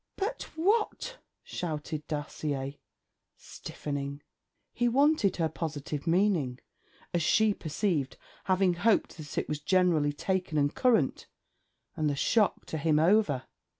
'But what?' shouted Dacier, stiffening. He wanted her positive meaning, as she perceived, having hoped that it was generally taken and current, and the shock to him over.